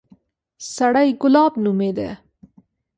سړى ګلاب نومېده.